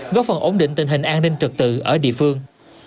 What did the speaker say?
góp phần ổn định tình hình an ninh trật tự ở địa phương